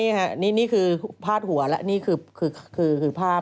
จะได้ดีใจตัวนี้อยู่ทั้งมาก